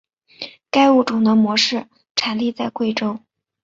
该物种的模式产地在贵州。